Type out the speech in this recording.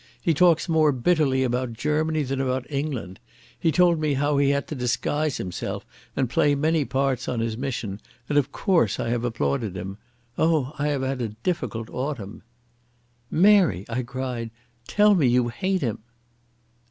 He talks more bitterly about Germany than about England. He had told me how he had to disguise himself and play many parts on his mission, and of course I have applauded him. Oh, I have had a difficult autumn." "Mary," I cried, "tell me you hate him."